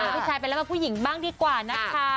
พี่ชายเป็นเรื่องภาพผู้หญิงบ้างดีกว่านะคะ